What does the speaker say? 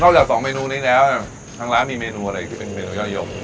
เราอาจจะเอา๒เมนูนี้แล้วทางร้านมีเมนว่าอะไรอีกที่เป็นเมนูยาลอยก